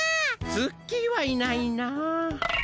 ツッキーはいないな。